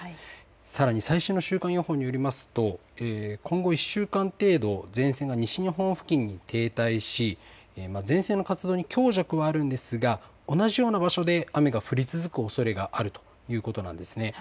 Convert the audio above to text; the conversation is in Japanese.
さらに最新の週間予報によりますと今後１週間程度、前線が西日本付近に停滞し前線の活動に強弱はあるんですが同じような場所で雨が降り続くおそれがあるということなんです。